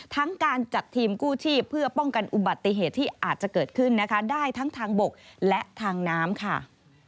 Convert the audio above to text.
ทั้งการจัดทีมกู้ชีพเพื่อป้องกันอุบัติเหตุที่อาจจะเกิดขึ้นนะคะได้ทั้งทางบกและทางน้ำค่ะ